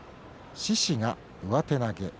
獅司が上手投げ。